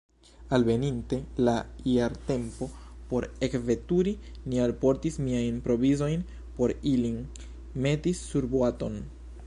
Alveninte la jartempo por ekveturi, ni alportis miajn provizojn por ilin meti surboaton.